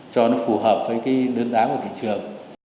cho nó phù hợp với cái đơn giá của thị trường